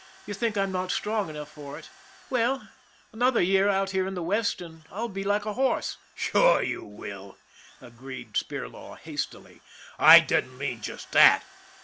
" You think I'm not strong enough for it. Why, another year out here in the West and I'll be like a horse." " Sure, you will," agreed Spirlaw, hastily. " I didn't mean just that."